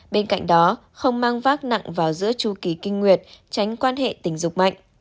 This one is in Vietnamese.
bên cạnh đó không mang vác nặng vào giữa chu kỳ kinh nguyệt tránh quan hệ tình dục mạnh